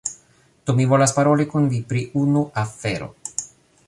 Do, mi volas paroli kun vi pri unu afero